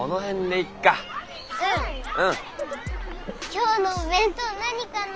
今日のお弁当何かな？